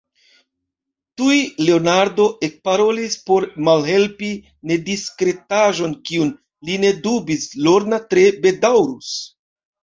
Tuj Leonardo ekparolis por malhelpi nediskretaĵon, kiun, li ne dubis, Lorna tre bedaŭrus: